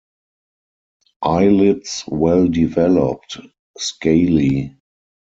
Eyelids well developed, scaly.